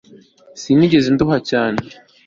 Sinigeze nduha cyane